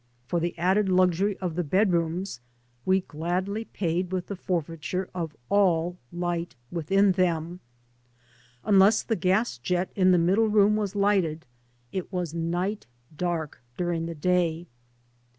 For the added luxury of the bedrooms ', e gladly paid with the forfeiture of all light within them ; unless the gas jet in the middle room was lighted, it was night dark during the day.